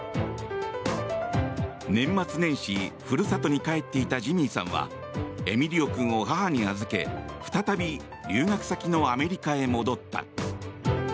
年末年始、ふるさとに帰っていたジミーさんはエミリオ君を母に預け再び留学先のアメリカへ戻った。